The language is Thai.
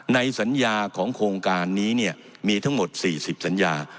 ในสัญญาของโครงการนี้เนี่ยมีทั้งหมด๔๐สัญญา